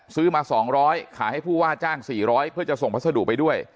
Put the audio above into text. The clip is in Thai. ซื้อมา๒๐๐ขายให้ผู้ว่าจ้าง๔๐๐เพื่อจะส่งพัสดุไปด้วย